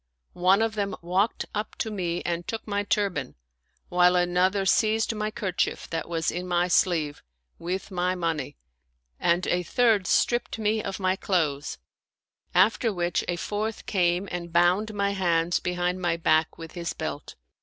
One of them walked up to me and took my turban, while another seized my kerchief that was in my sleeve, with my money, and a third stripped me of my clothes ; after which a fourth came and bound my hands behind my back with his belt.